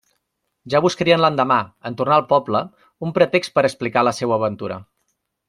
Ja buscarien l'endemà, en tornar al poble, un pretext per a explicar la seua aventura.